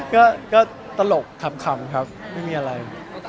ก็ตลกขำครับไม่มีอะไร